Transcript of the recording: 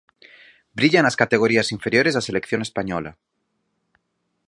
Brilla nas categorías inferiores da selección española.